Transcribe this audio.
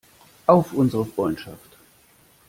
Auf unsere Freundschaft!